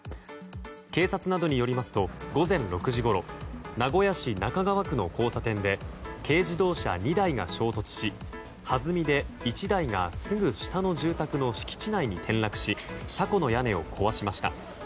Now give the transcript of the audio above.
警察などによりますと午前６時ごろ名古屋市中川区の交差点で軽自動車２台が衝突しはずみで１台がすぐ下の住宅の敷地内に転落し車庫の屋根を壊しました。